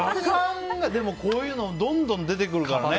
こういうのってどんどん出てくるからね。